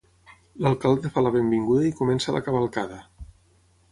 L'alcalde fa la benvinguda i comença la "cavalcada".